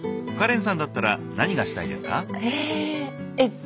カレンさんだったら何がしたいですか？